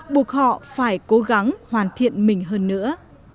buộc họ phải cố gắng hoàn thiện mình hơn nữa